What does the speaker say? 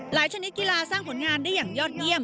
ชนิดกีฬาสร้างผลงานได้อย่างยอดเยี่ยม